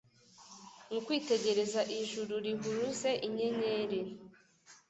Mu kwitegereza ijuru rihuruze inyenyeri